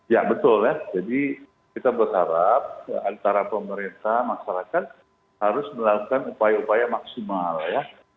ya betul ya jadi kita berharap antara pemerintah masyarakat harus melakukan upaya upaya maksimal ya